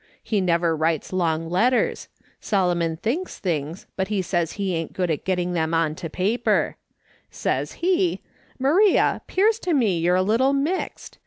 He never writes long letters ; Solomon thinks things, but he says he ain't good at getting them on to paper ; says he :' Maria, 'pears to me you're a little mixed.